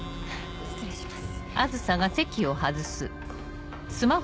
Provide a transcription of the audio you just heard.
失礼します。